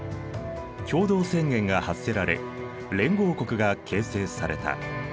共同宣言が発せられ連合国が形成された。